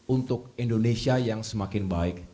untuk indonesia yang semakin baik